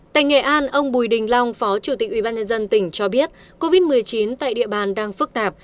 tại nghệ an ông bùi đình long phó chủ tịch ubnd tỉnh cho biết covid một mươi chín tại địa bàn đang phức tạp